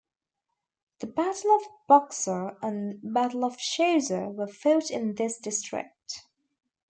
The Battle of Buxar and Battle of Chausa were fought in this district.